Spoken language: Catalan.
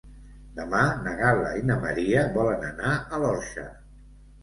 Demà na Gal·la i na Maria volen anar a l'Orxa.